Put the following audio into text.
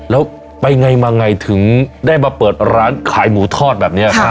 แล้วไปไงมาไงถึงได้มาเปิดร้านขายหมูทอดแบบนี้